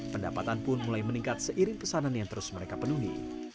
pendapatan pun mulai meningkat seiring pesanan yang terus mereka penuhi